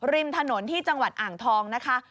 ริมถนนที่จังหวัดอ่างทองนะคะ